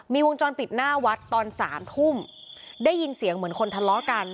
มีวงจรปิดหน้าวัดตอนสามทุ่มได้ยินเสียงเหมือนคนทะเลาะกัน